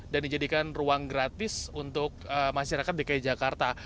dan dijadikan ruang gratis untuk masyarakat dki jakarta